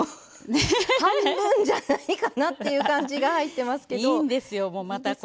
半分じゃないかなっていう感じが入ってますけど。